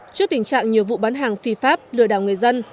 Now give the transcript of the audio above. trước tình trạng nhiều vụ bán hàng phi pháp lừa đảo người dân